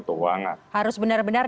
keuangan harus benar benar